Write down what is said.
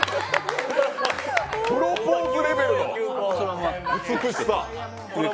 プロポーズレベルの美しさ。